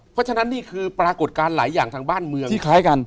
เพราะฉะนั้นนี่คือปรากฏการณ์หลายอย่างทางบ้านเมืองที่คล้ายกัน